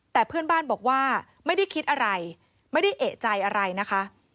แต่เพื่อนบ้านบอกว่าไม่ได้คิดอะไรไม่ได้เอกใจอะไรนะคะ